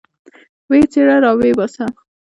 ويې څيره راويې باسه.